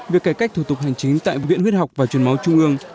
việc cải cách thủ tục hành chính tại viện huyết học và truyền máu trung ương